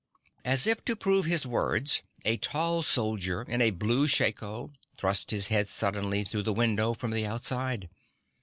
As if to prove his words a tall soldier in a blue shako thrust his head suddenly through the window from the outside.